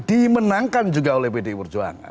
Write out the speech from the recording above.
dimenangkan juga oleh pdi perjuangan